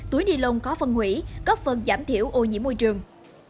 túi ni lông khó phân hủy góp phần giảm thiểu ô nhiễm môi trường